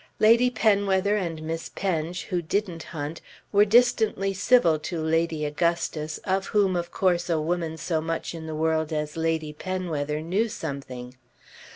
Lady Penwether and Miss Penge who didn't hunt were distantly civil to Lady Augustus of whom of course a woman so much in the world as Lady Penwether knew something.